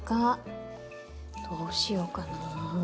どうしようかな。